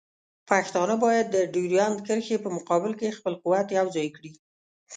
پښتانه باید د ډیورنډ کرښې په مقابل کې خپل قوت یوځای کړي.